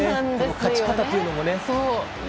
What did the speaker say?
勝ち方というのもね。